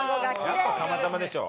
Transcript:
やっぱ釜玉でしょ。